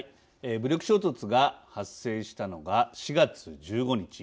武力衝突が発生したのが４月１５日。